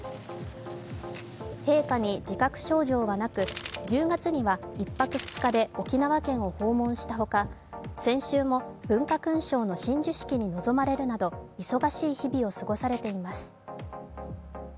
陛下に自覚症状はなく、１０月には１泊２日で沖縄県を訪問したほか、先週も文化勲章の親授式に臨まれるなど忙しい日々を過ごされています。